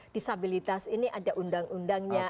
disabilitas ini ada undang undangnya